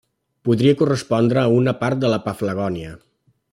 Podria correspondre a una part de la Paflagònia.